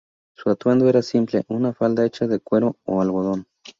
Su atuendo era simple, una falda hecha de cuero o algodón.